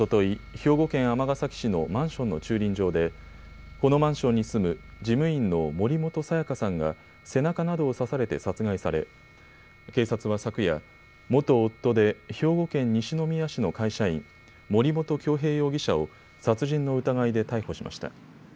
兵庫県尼崎市のマンションの駐輪場でこのマンションに住む事務員の森本彩加さんが背中などを刺されて殺害され警察は昨夜、元夫で兵庫県西宮市の会社員、森本恭平容疑者を殺人の疑いで逮捕しました。